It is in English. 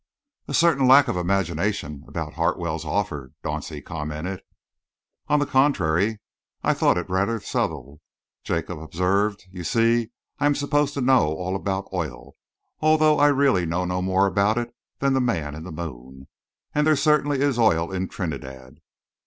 "A certain lack of imagination about Hartwell's offer," Dauncey commented. "On the contrary, I thought it rather subtle," Jacob observed. "You see, I am supposed to know all about oil, although I really know no more about it than the man in the moon. And there certainly is oil in Trinidad."